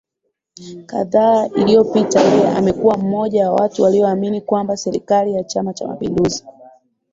kadhaa iliyopita yeye amekuwa mmoja wa watu walioamini kwamba Serikali ya Chama cha mapinduzi